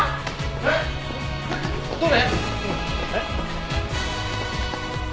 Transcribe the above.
えっ？どれ？